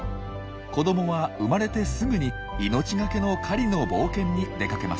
子どもは生まれてすぐに命懸けの狩りの冒険に出かけます。